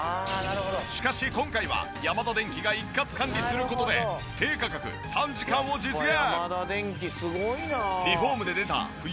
しかし今回はヤマダデンキが一括管理する事で低価格短時間を実現！